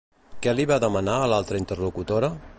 Què li va demanar a l'altra interlocutora?